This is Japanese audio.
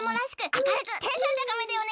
あかるくテンションたかめね。